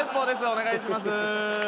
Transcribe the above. お願いします。